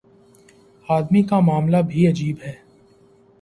آدمی کا معاملہ بھی عجیب ہے۔